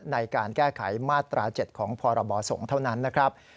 ในการแก้ไขมาตรา๗ของพรบสงฆ์เท่านั้นนะครับ